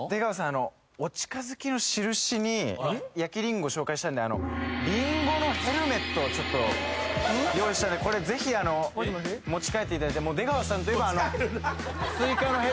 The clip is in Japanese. あのお近づきのしるしに焼きりんご紹介したんでりんごのヘルメットをちょっと用意したんでこれぜひ持ち帰っていただいて出川さんといえばあの持ち帰るんだ